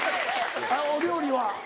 お料理は？